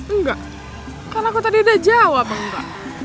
enggak kan aku tadi udah jawab enggak